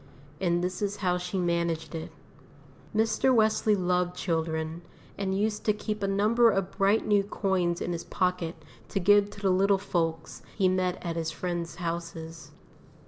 And this is how she managed it. Mr. Wesley loved children, and used to keep a number of bright new coins in his pocket to give to the little folks he met at his friends' houses.